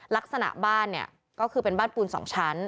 ลักษณะบ้านเนี่ยก็คือเป็นบ้านปูน๒ชั้น